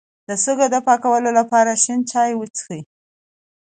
د سږو د پاکوالي لپاره شین چای وڅښئ